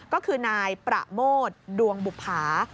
ก็คือนายประโมทดวงบุภา